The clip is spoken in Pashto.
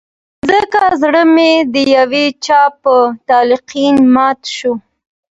ځکه زړه مې د يو چا په تلقين مات شو